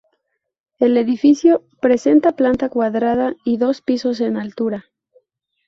El edificio presenta planta cuadrada y dos pisos en altura.